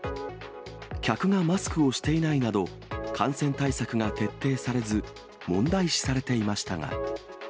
客がマスクをしていないなど、感染対策が徹底されず、問題視されていましたが。